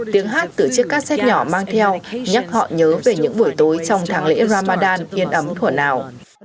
tiếng hát từ chiếc caset nhỏ mang theo nhắc họ nhớ về những buổi tối trong tháng lễ ramadan yên ấm thủ nào